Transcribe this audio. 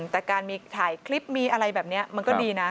แต่การมีถ่ายคลิปมีอะไรแบบนี้มันก็ดีนะ